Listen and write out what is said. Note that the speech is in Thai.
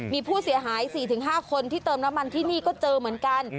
มีผู้เสียหาย๔๕คนที่เติมน้ำมันที่นี่ก็เจอเหมือนกัน